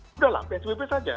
sudahlah psbb saja